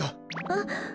あっ！